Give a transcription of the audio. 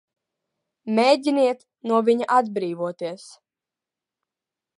Mēģiniet no viņa atbrīvoties!